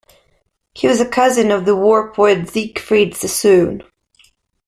He was a cousin of the war poet Siegfried Sassoon.